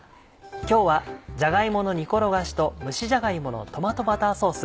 今日は「じゃが芋の煮ころがし」と「蒸しじゃが芋のトマトバターソース」。